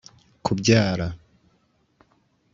Kubyara